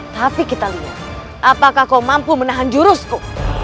tapi kita lihat apakah kau mampu menahan jurusku